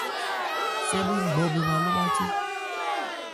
Sɛ bhri ngbɔ bɛn bha lo bháthó.